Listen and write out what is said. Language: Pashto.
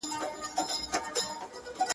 o په سپين سر، ململ پر سر!